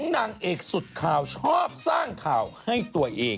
นางเอกสุดข่าวชอบสร้างข่าวให้ตัวเอง